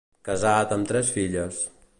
Casat amb tres filles.